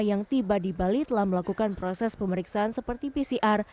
yang tiba di bali telah melakukan proses pemeriksaan seperti pcr